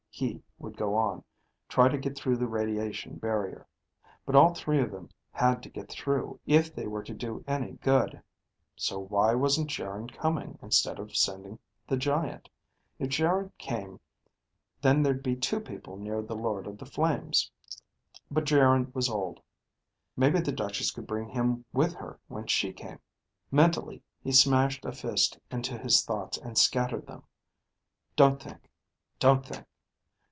He would go on, try to get through the radiation barrier. But all three of them had to get through if they were to do any good. So why wasn't Geryn coming instead of sending the giant? If Geryn came, then there'd be two people near the Lord of the Flames. But Geryn was old. Maybe the Duchess could bring him with her when she came. Mentally he smashed a fist into his thoughts and scattered them. Don't think. Don't think.